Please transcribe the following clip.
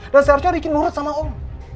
dan seharusnya riki nurut sama om